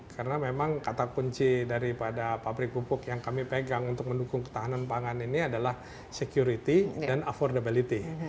karena memang kata kunci daripada pabrik pupuk yang kami pegang untuk mendukung ketahanan pangan ini adalah security dan affordability